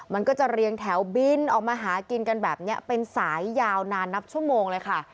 มันก็จะเรียงแถวบินออกมาหากินกันแบบนี้เป็นสายยาวนานนับชั่วโมงเลยค่ะ